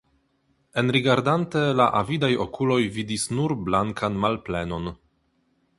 Enrigardante, la avidaj okuloj vidis nur blankan malplenon!